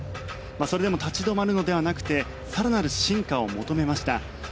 それでも立ち止まるのではなくて更なる進化を求めました。